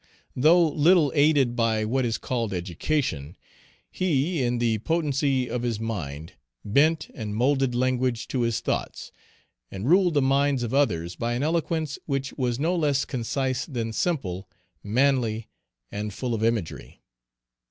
Though little aided by what is called education, he, in the potency of his mind, bent and moulded language to his thoughts, and ruled the minds of others by an eloquence which was no less concise than simple, manly, and full of imagery.